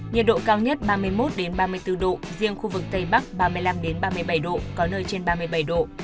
nhiệt độ cao nhất ba mươi một ba mươi bốn độ riêng khu vực tây bắc ba mươi năm ba mươi bảy độ có nơi trên ba mươi bảy độ